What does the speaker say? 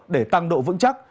để tăng độ vững chắc